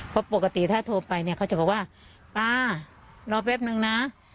เพราะปกติถ้าโทรไปเนี่ยเขาจะบอกว่าป้ารอแป๊บนึงนะ